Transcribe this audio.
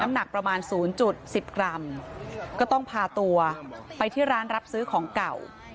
หนักประมาณ๐๑๐กรัมก็ต้องพาตัวไปที่ร้านรับซื้อของเก่า